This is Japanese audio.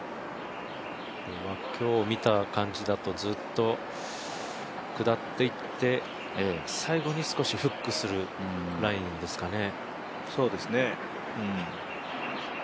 今日見た感じだと、ずっと下っていって最後に少しフックするラインですかね。